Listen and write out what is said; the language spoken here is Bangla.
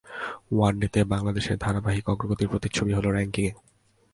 ওয়ানডেতে বাংলাদেশের ধারাবাহিক অগ্রগতির প্রতিচ্ছবি ছিল র্যাঙ্কিংয়ে।